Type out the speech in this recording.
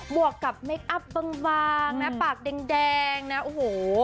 วกกับเมคอัพบางนะปากแดงนะโอ้โห